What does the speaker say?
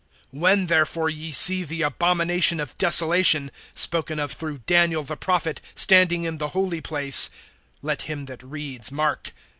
(15)When therefore ye see the abomination of desolation, spoken of through Daniel the prophet, standing in the holy place (let him that reads mark!)